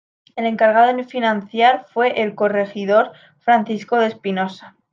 El encargado de financiar fue el corregidor Francisco de Espinoza.